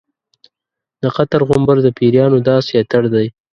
د قطر غومبر د پیریانو داسې اتڼ دی.